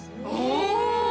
お！